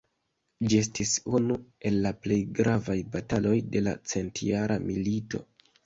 Ĝi estis unu el la plej gravaj bataloj de la Centjara Milito.